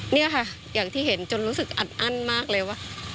นี่ค่ะอย่างที่เห็นจนรู้สึกอัดอั้นมากเลยว่า